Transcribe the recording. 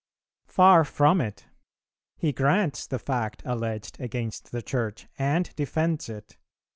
Far from it; he grants the fact alleged against the Church and defends it.